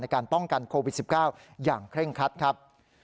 การป้องกันโควิด๑๙อย่างเคร่งคัดครับ